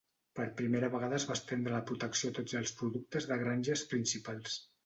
Per primera vegada es va estendre la protecció a tots els productes de granges principals.